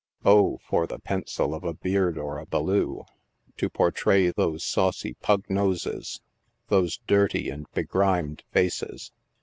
0, for the pencil of a Beard or a Bellew, to portray those saucy pug noses, those dirty and begrimed faces